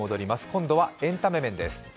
今度はエンタメ面です。